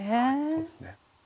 そうですね。